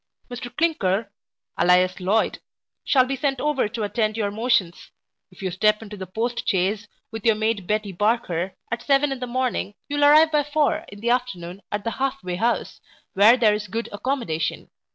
Mr Clinker, alias Loyd, shall be sent over to attend your motions If you step into the post chaise, with your maid Betty Barker, at seven in the morning, you will arrive by four in the afternoon at the half way house, where there is good accommodation.